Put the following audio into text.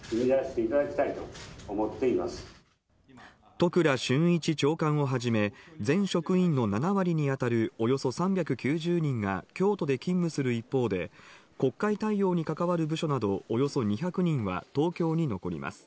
都倉俊一長官をはじめ、全職員の７割にあたるおよそ３９０人が京都で勤務する一方で国会対応に関わる部署などおよそ２００人は東京に残ります。